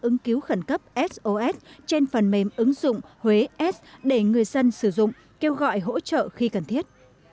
ứng cứu khẩn cấp sos trên phần mềm ứng dụng huếs để người dân sử dụng kêu gọi hỗ trợ khi cần thiết